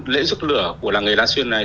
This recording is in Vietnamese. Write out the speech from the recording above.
lễ rước lửa của làng nghề la xuyên này